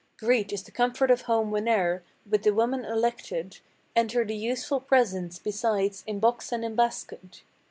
Great is the comfort of home whene'er, with the woman elected, Enter the useful presents, besides, in box and in basket.